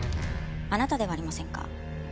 あなたではありませんか？